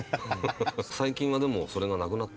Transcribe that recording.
最近はでもそれがなくなって。